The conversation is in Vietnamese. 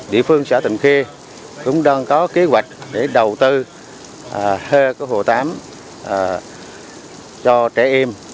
địa phương xã tần khê cũng đang có kế hoạch để đầu tư hơ cái hồ tắm cho trẻ em